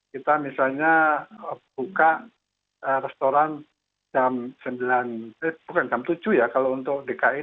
kita misalnya buka restoran jam sembilan eh bukan jam tujuh ya kalau untuk dki